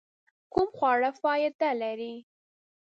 کوم خواړه فائده لري؟